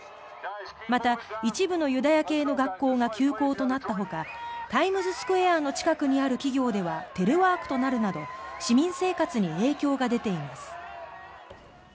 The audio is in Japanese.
また、一部のユダヤ系の学校が休校となったほかタイムズスクエアの近くにある企業ではテレワークとなるなど市民生活に影響が出ています。